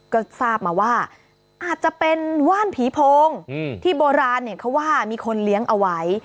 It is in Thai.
ก็ทราบมาว่าอาจจะเป็นว่านผีโพงที่โบราณเนี่ยเขาว่ามีคนเลี้ยงเอาไว้